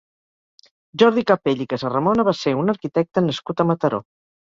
Jordi Capell i Casaramona va ser un arquitecte nascut a Mataró.